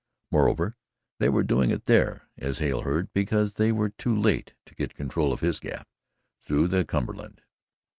Moreover they were doing it there, as Hale heard, because they were too late to get control of his gap through the Cumberland.